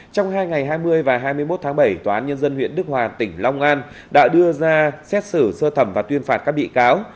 trong hai ngày hai mươi và hai mươi một tháng bảy tòa án nhân dân huyện đức hòa tỉnh long an đã đưa ra xét xử sơ thẩm và tuyên phạt các bị cáo